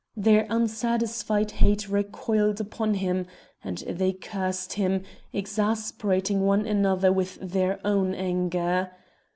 Their unsatisfied hate recoiled upon him, and they cursed him, exasperating one another with their own anger.